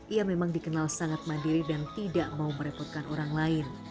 ia memang dikenal sangat mandiri dan tidak mau merepotkan orang lain